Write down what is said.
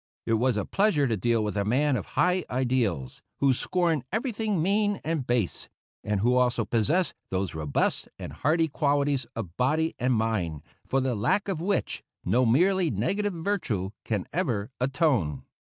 It was a pleasure to deal with a man of high ideals, who scorned everything mean and base, and who also possessed those robust and hardy qualities of body and mind, for the lack of which no merely negative virtue can ever atone.